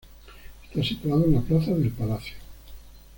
Está situado en el Plaza del Palacio.